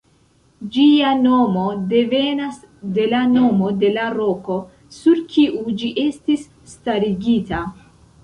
Ĝia nomo devenas de la nomo de la roko, sur kiu ĝi estis starigita.